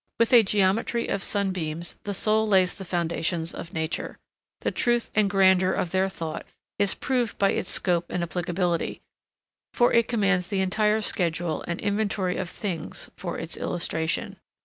With a geometry of sunbeams the soul lays the foundations of nature. The truth and grandeur of their thought is proved by its scope and applicability, for it commands the entire schedule and inventory of things for its illustration.